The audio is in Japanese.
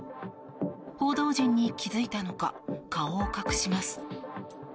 報道陣に気付いたのか顔を隠します。